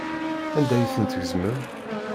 Anda ay ten-tgezmem?